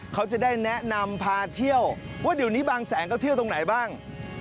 เขาจะได้แนะนำพาเที่ยวว่าเดี๋ยวนี้บางแสนก็เที่ยวตรงไหนบ้าง